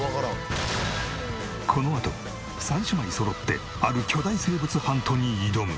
このあと三姉妹そろってある巨大生物ハントに挑む！